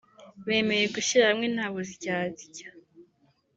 bemeye gushyira hamwe nta buryarya